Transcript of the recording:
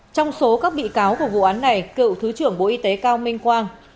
trong số các bị cáo của vụ án này cựu thứ trưởng bộ y tế cao minh quang